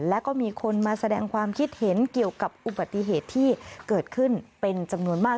และก็มีคนมาแสดงความคิดเห็นเกี่ยวกับอุบัติเหตุที่เกิดขึ้นเป็นจำนวนมาก